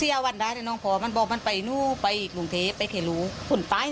เสียวันได้น้องพ่อมันบอกมันไปนู่ไปกรุงเทพฯไปเขลูฝนตาย